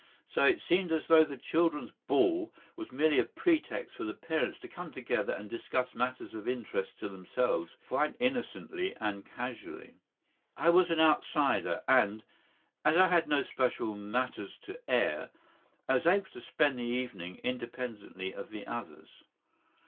So it seemed as though the children's ball was merely a pretext for the parents to come together and discuss matters of interest to themselves, quite innocently and casually. I was an outsider, and, as I had no special matters to air, I was able to spend the evening independently of the others.